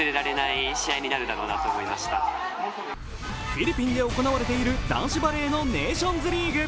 フィリピンで行われている男子バレーのネーションズリーグ。